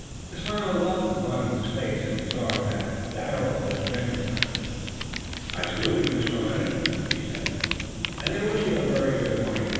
The smile of welcome upon his face as he saw the herald was genuine. "I salute you, Mr. Lennox," he said, "and wish you a very good morning.